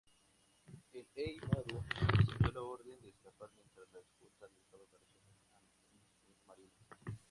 El "Hei Maru" recibió la orden de escapar mientras la escolta realiza operaciones antisubmarinas.